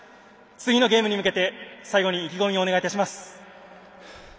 次のゲームに向けて最後に意気込みお願いします。